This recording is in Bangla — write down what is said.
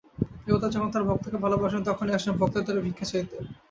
দেবতা যখন তাঁর ভক্তকে ভালোবাসেন তখনই আসেন ভক্তের দ্বারে ভিক্ষা চাইতে।